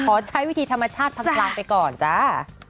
เค้าใช้วิที่ธรรมชาติทำลังไปก่อนจ้า